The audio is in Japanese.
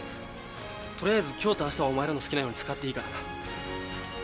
とりあえず今日とあしたはお前らの好きなように使っていいからな。